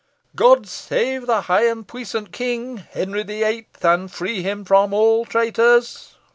"God save the high and puissant king, Henry the Eighth, and free him from all traitors!"